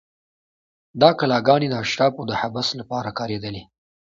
دا کلاګانې د اشرافو د حبس لپاره کارېدلې.